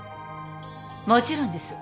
もちろんです。